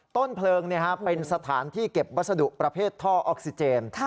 ต้นเพลิงเป็นสถานที่เก็บวัสดุประเภทท่อออกซิเจน